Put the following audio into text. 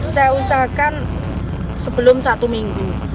saya usahakan sebelum satu minggu